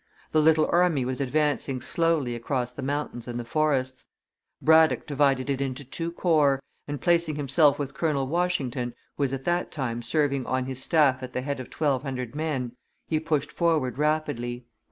The little army was advancing slowly across the mountains and the forests; Braddock divided it into two corps, and placing himself with Colonel Washington, who was at that time serving on his staff at the head of twelve hundred men, he pushed forward rapidly.